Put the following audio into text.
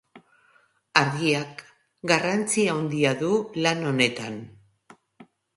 Argiak garrantzi handia du lan honetan.